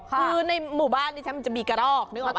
คือในหมู่บ้านนี้ฉันมันจะมีกระรอกนึกออกป